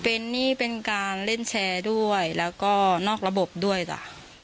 เป็นนี่เป็นการเล่นแชร์ด้วยแล้วก็นอกระบบด้วยจ้ะ